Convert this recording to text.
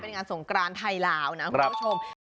เป็นงานสงกรานไทยลาวนะคุณผู้ชม